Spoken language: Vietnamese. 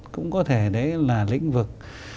cũng có thể đấy là lĩnh vực